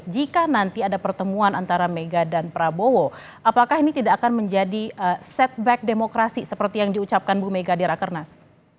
jika nanti ada pertemuan antara mega dan prabowo apakah ini tidak akan menjadi setback demokrasi seperti yang diucapkan bu mega di rakernas